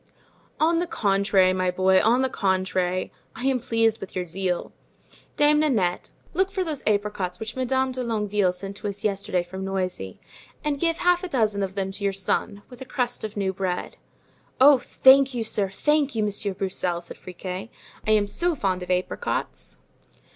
"On the contrary, my boy, on the contrary, I am pleased with your zeal. Dame Nanette, look for those apricots which Madame de Longueville sent to us yesterday from Noisy and give half a dozen of them to your son, with a crust of new bread." "Oh, thank you, sir, thank you, Monsieur Broussel," said Friquet; "I am so fond of apricots!"